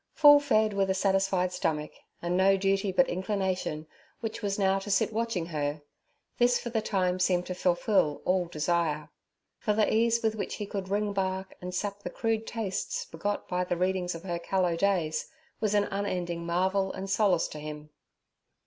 Full fed, with a satisfied stomach, and no duty but inclination, which was now to sit watching her—this for the time seemed to fulfil all desire. For the ease with which he could ring bark and sap the crude tastes begot by the readings of her callow days was an unending marvel and solace to him.